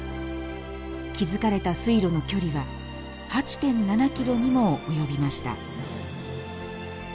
築かれた水路の距離は８．７キロにも及びました。